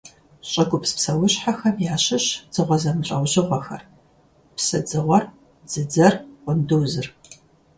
ЩӀыгупс псэущхьэхэм ящыщщ дзыгъуэ зэмылӀэужьыгъуэхэр: псыдзыгъуэр, дзыдзэр, къундузыр.